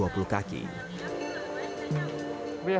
kembali ke babak tiga selesai